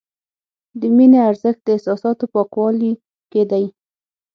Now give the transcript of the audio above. د مینې ارزښت د احساساتو پاکوالي کې دی.